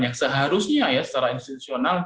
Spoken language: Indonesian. yang seharusnya ya secara institusional